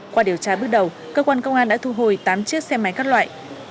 qua điều tra bước đầu cơ quan công an đã thu hồi tám chiếc xe máy các loại